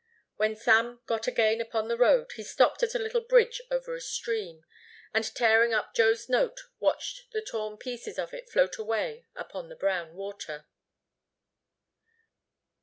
When Sam got again upon the road he stopped at a little bridge over a stream, and tearing up Joe's note watched the torn pieces of it float away upon the brown water.